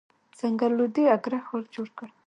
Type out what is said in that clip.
سکندر لودي اګره ښار جوړ کړ.